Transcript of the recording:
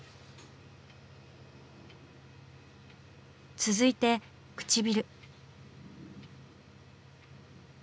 続いて唇。